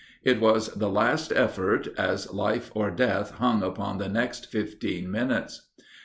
It was the last effort, as life or death hung upon the next fifteen minutes.